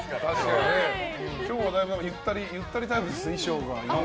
今日はゆったりタイプですね衣装が。